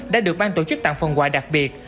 đã được ban tổ chức tặng phần quà đặc biệt